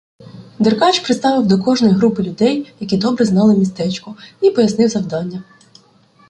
Деркач приставив до кожної групи людей, які добре знали містечко, і пояснив завдання.